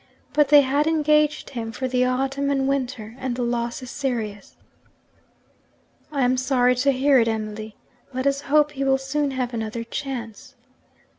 But they had engaged him for the autumn and winter and the loss is serious.' 'I am sorry to hear it, Emily. Let us hope he will soon have another chance.'